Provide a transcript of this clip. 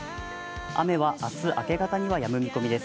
雨は明日明け方にはやむ見込みです。